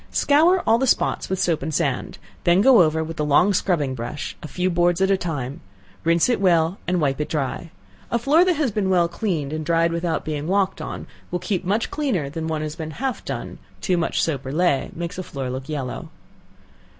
Scour all the spots with soap and sand, then go all over with the long scrubbing brush, a few boards at a time; rinse it well and wipe it dry. A floor that has been well cleaned, and dried without being walked on, will keep clean much longer than one that has been half done; too much soap or ley makes a floor look yellow.